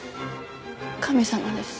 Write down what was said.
神様です。